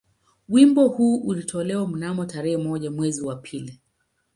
Wimbo huu ulitolewa mnamo tarehe moja mwezi wa pili